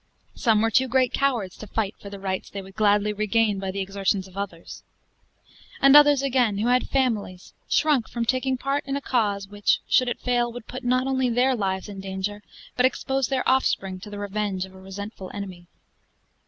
Some were too great cowards to fight for the rights they would gladly regain by the exertions of others. And others, again, who had families, shrunk from taking part in a cause which, should it fail, would not only put their lives in danger, but expose their offspring to the revenge of a resentful enemy.